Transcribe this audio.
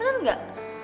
hah bener gak